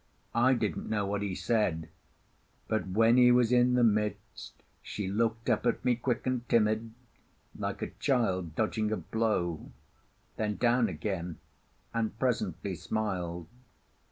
I didn't know what he said; but when he was in the midst she looked up at me quick and timid, like a child dodging a blow, then down again, and presently smiled.